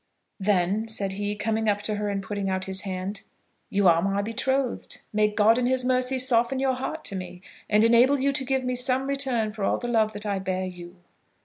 "Then," said he, coming up to her and putting out his hand, "you are my betrothed. May God in his mercy soften your heart to me, and enable you to give me some return for all the love that I bear you."